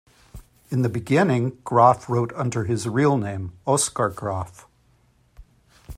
In the beginning Graf wrote under his real name Oskar Graf.